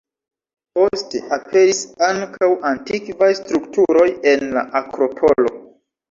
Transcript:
Poste, aperis ankaŭ antikvaj strukturoj en la akropolo.